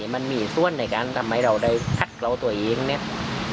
มันมีส่วนในการทำให้เราได้ทักเราตัวเองเนี่ย